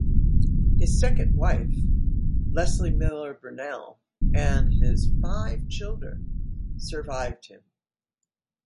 His second wife, Leslie Miller-Bernal, and his five children survived him.